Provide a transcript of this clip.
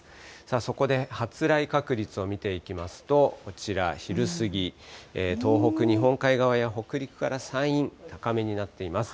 そこで発雷確率を見ていきますと、こちら、昼過ぎ、東北、日本海側や北陸から山陰、高めになっています。